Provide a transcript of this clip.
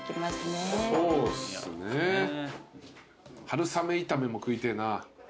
春雨炒めも食いてえな。